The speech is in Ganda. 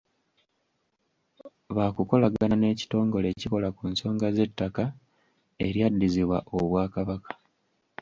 Baakukolagana n’ekitongole ekikola ku nsonga z’ettaka eryaddizibwa Obwakabaka.